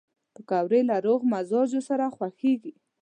پکورې له روغ مزاجو سره خوښېږي